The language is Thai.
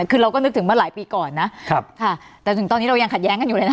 คือเราก็นึกถึงมาหลายปีก่อนนะครับค่ะแต่ถึงตอนนี้เรายังขัดแย้งกันอยู่เลยนะ